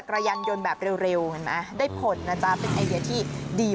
กลางคืนกลางคืนนี่